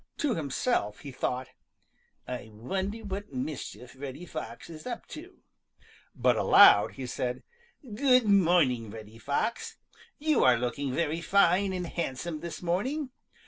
To himself he thought, "I wonder what mischief Reddy Fox is up to," but aloud he said: "Good morning, Reddy Fox. You are looking very fine and handsome this morning.